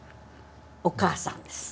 お母さんです